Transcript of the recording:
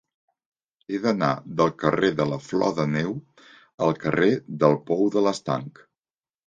He d'anar del carrer de la Flor de Neu al carrer del Pou de l'Estanc.